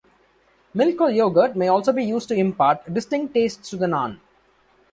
Milk or yogurt may also be used to impart distinct tastes to the naan.